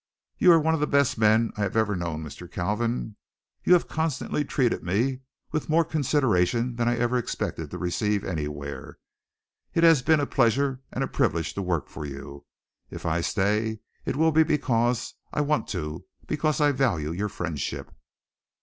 "You are one of the best men I have ever known, Mr. Kalvin. You have constantly treated me with more consideration than I ever expected to receive anywhere. It has been a pleasure and a privilege to work for you. If I stay, it will be because I want to because I value your friendship."